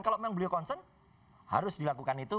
kalau memang beliau concern harus dilakukan itu